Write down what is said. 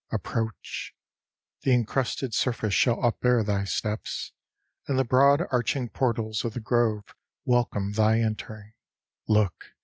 Approach! The incrusted surface shall upbear thy steps, And the broad arching portals of the grove Welcome thy entering. Look!